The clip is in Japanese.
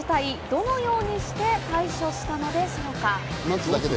どのようにして対処したのでしょうか？